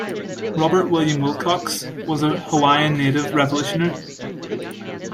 Robert William Wilcox was a Hawaiian native revolutionary.